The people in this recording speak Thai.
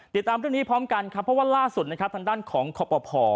ติดตามเรื่องนี้พร้อมกันครับเพราะว่าล่าสุดนะครับทางด้านของคอปภ